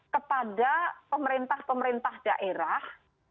kepada pemerintah pemerintah daerah